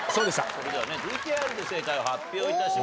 それではねＶＴＲで正解を発表致します。